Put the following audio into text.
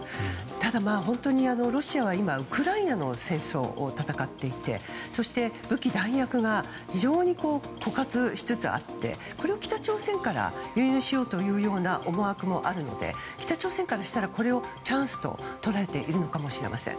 ただ、本当にロシアは今、ウクライナと戦っていてそして、武器弾薬が非常に枯渇しつつあってこれを北朝鮮から輸入しようというような思惑もあるので北朝鮮からしたらこれをチャンスと捉えているのかもしれません。